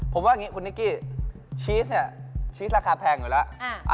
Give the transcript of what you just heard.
ผมว่าอย่างนี้คุณนิกกี้ชีสเนี่ยชีสราคาแพงอยู่แล้ว